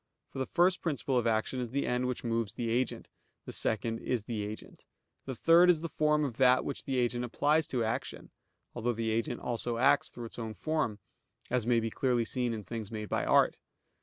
For the first principle of action is the end which moves the agent; the second is the agent; the third is the form of that which the agent applies to action (although the agent also acts through its own form); as may be clearly seen in things made by art.